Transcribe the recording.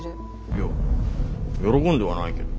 いや喜んではないけど。